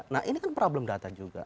nah ini kan problem data juga